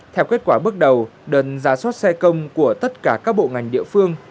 theo kết quả bước đầu đần giá sót xe công của tất cả các bộ ngành địa phương